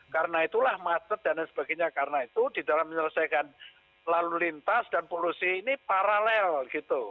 karena itulah matet dan lain sebagainya karena itu di dalam menyelesaikan lalu lintas dan polusi ini paralel gitu